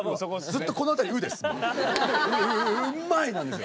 ずっとこの辺り「う」です。